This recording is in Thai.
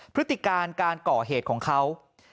พฤติการการก่อเหตุของเขา